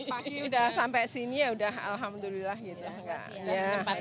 pagi udah sampai sini ya udah alhamdulillah gitu